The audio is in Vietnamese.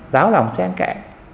giáo lỏng xen kẽ